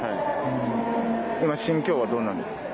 今心境はどうなんですか？